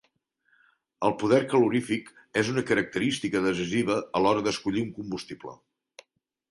El poder calorífic és una característica decisiva a l'hora d'escollir un combustible.